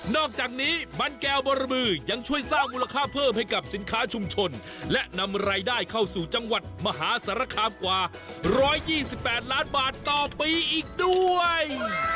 อกจากนี้มันแก้วบรบือยังช่วยสร้างมูลค่าเพิ่มให้กับสินค้าชุมชนและนำรายได้เข้าสู่จังหวัดมหาสารคามกว่า๑๒๘ล้านบาทต่อปีอีกด้วย